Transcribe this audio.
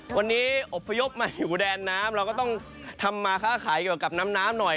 วันนี้อบพยพมาอยู่แดนน้ำเราก็ต้องทำมาค้าขายเกี่ยวกับน้ำน้ำหน่อย